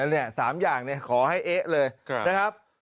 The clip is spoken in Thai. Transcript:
เนี่ย๓อย่างขอให้เอ๊ะเลยนะครับ